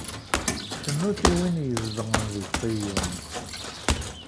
Cnut i win izedɣen di Ṣiyun.